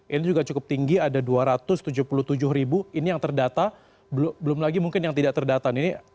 ini juga cukup tinggi ada dua ratus tujuh puluh tujuh ribu ini yang terdata belum lagi mungkin yang tidak terdata